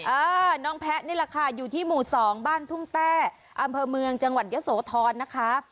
เออน้องแพะนี่แหละค่ะอยู่ที่หมู่สองบ้านทุ่งแต้อำเภอเมืองจังหวัดยะโสธรนะคะ